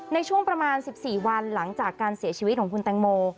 ในช่วงประมาณ๑๔วันหลังจากการเสียชีวิตของคุณแตงโม